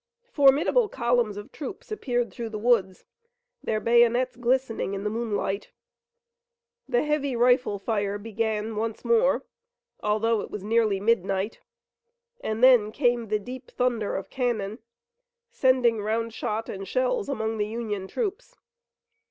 Formidable columns of troops appeared through the woods, their bayonets glistening in the moonlight. The heavy rifle fire began once more, although it was nearly midnight, and then came the deep thunder of cannon, sending round shot and shells among the Union troops.